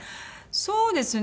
そうですね。